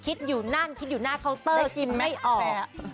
คิดอยู่นั่นคิดอยู่หน้าเคาน์เตอร์กินไม่ออก